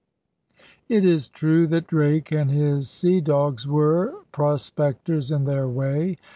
It is true that Drake and his sea dogs were pros pectors in their way.